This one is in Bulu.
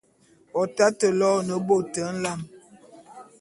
W'atate loene bôt nlam.